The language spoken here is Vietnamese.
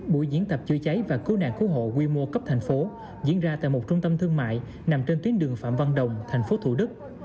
buổi diễn tập chữa cháy và cứu nạn cứu hộ quy mô cấp thành phố diễn ra tại một trung tâm thương mại nằm trên tuyến đường phạm văn đồng tp thủ đức